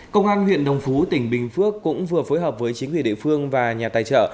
công an huyện đồng phú tỉnh bình phước cũng vừa phối hợp với chính quyền địa phương và nhà tài trợ